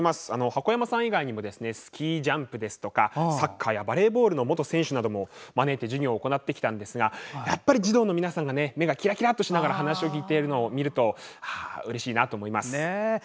箱山さん以外にもスキージャンプやサッカーやバレーボール選手なども招いて授業を行ってきたんですが児童の皆さんが目がキラキラとして話を聞いてるのを見ているうれしくなります。